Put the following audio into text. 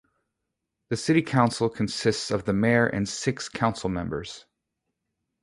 The City Council consists of the mayor and six council members.